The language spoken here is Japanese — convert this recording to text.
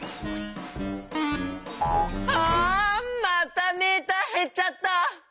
あまたメーターへっちゃった！